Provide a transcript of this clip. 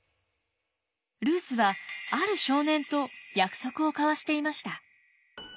ルースはある少年と約束を交わしていました。